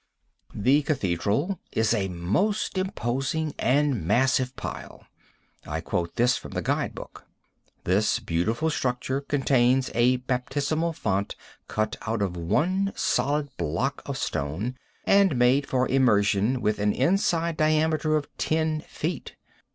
The cathedral is a most imposing and massive pile. I quote this from the guide book. This beautiful structure contains a baptismal font cut out of one solid block of stone and made for immersion, with an inside diameter of ten feet.